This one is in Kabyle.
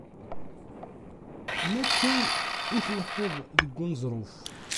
Mi akken i tleḥḥuḍ deg uneẓruf.